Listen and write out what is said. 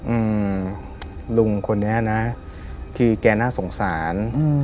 อืมลุงคนนี้นะคือแกน่าสงสารอืม